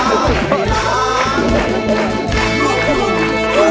รู้สึก